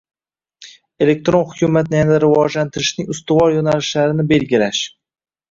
elektron hukumatni yanada rivojlantirishning ustuvor yo‘nalishlarini belgilash